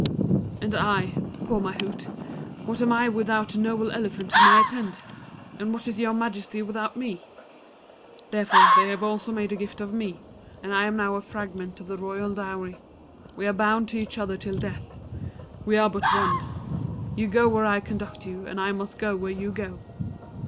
"And I poor Mahout what am I without the noble elephant whom I attend? And what is your Majesty without me? "Therefore they have also made a gift of me, and I am now a fragment of the royal dowry. We are bound to each other till death we are but one! You go where I conduct you, and I must go where you go.